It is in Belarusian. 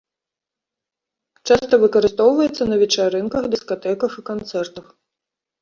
Часта выкарыстоўваецца на вечарынках, дыскатэках і канцэртах.